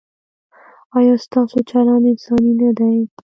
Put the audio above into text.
ایا ستاسو چلند انساني نه دی؟